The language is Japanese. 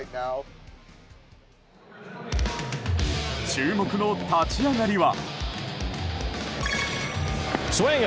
注目の立ち上がりは。